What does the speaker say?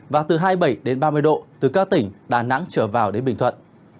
và từ hai mươi bảy đến ba mươi độ từ các tỉnh đà nẵng trở vào đến bình thuận